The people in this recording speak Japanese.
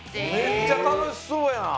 めっちゃたのしそうやん！